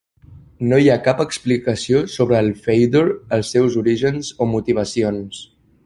No hi ha cap explicació sobre el Faedor, els seus orígens o motivacions.